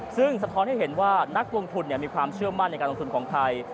ซึ่งสะท้อนให้เห็นว่านักลงทุนมีความเชื่อมั่นในการลงทุนของไทย